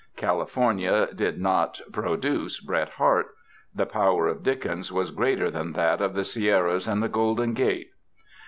California did not "produce" Bret Harte; the power of Dickens was greater than that of the Sierras and the Golden Gate.